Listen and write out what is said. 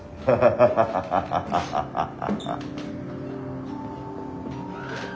ハハハハハハハハハ。